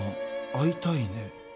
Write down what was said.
会いたいね。